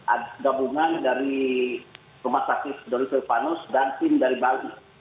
ada gabungan dari rumah sakit doris silvanus dan tim dari bali